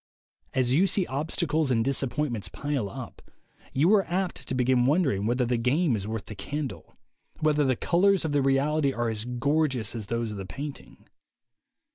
As you see obstacles and disappointments pile up, you are apt to begin wondering whether the game is worth the candle, whether the colors of the reality are as gorgeous as those of the painting.